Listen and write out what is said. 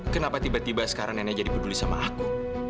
kenapa tiba tiba sekarang nenek jadi peduli sama aku